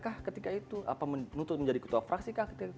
apakah menuntut menjadi ketua fraksi